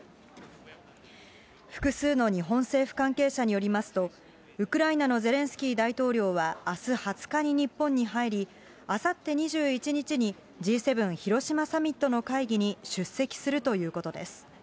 複数の日本政府関係者によりますと、ウクライナのゼレンスキー大統領はあす２０日、日本に入り、あさって２１日に、Ｇ７広島サミットの会議に出席するということです。